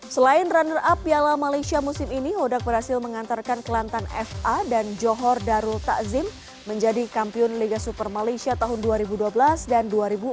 selain runner up piala malaysia musim ini hodak berhasil mengantarkan kelantan fa dan johor darul takzim menjadi kampiun liga super malaysia tahun dua ribu dua belas dan dua ribu dua puluh